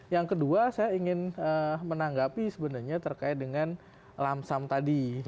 yang kedua saya ingin menanggapi sebenarnya terkait dengan lamsam tadi